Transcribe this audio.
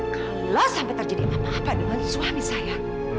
kenapa dengan suami saya